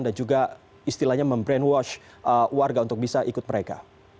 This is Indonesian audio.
dan juga istilahnya membrenwash warga untuk bisa ikut mereka